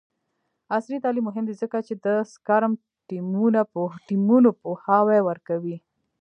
عصري تعلیم مهم دی ځکه چې د سکرم ټیمونو پوهاوی ورکوي.